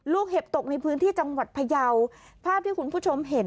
เห็บตกในพื้นที่จังหวัดพยาวภาพที่คุณผู้ชมเห็น